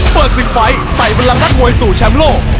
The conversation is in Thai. เปิด๑๐ไฟล์ใส่บันลังนักมวยสู่แชมป์โลก